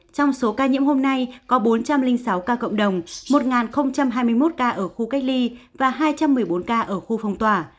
trong số ca nhiễm hôm nay có bốn trăm linh sáu ca cộng đồng một hai mươi một ca ở khu cách ly và hai trăm một mươi bốn ca ở khu phong tỏa